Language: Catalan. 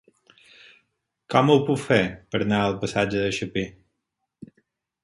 Com ho puc fer per anar al passatge de Chapí?